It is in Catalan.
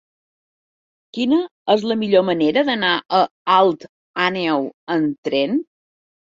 Quina és la millor manera d'anar a Alt Àneu amb tren?